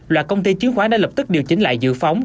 loại công ty chiến khóa đã lập tức điều chỉnh lại dự phóng